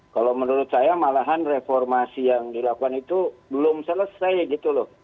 kalau menurut saya malahan reformasi yang dilakukan itu belum selesai gitu loh